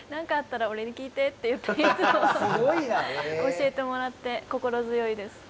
教えてもらって心強いです。